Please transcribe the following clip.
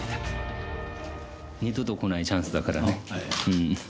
二度とこないチャンスだからね。